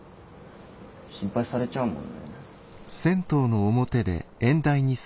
心配されちゃうもんね。